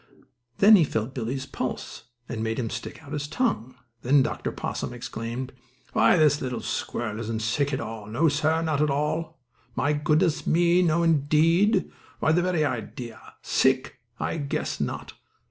Then he felt Billie's pulse and made him put out his tongue. Then Dr. Possum exclaimed: "Why, this little squirrel isn't sick at all! No, sir! Not at all. My goodness me; no, indeed! Why, the very idea! Sick? I guess not!"